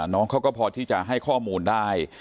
น้องเขาก็พอที่จะให้ข้อมูลได้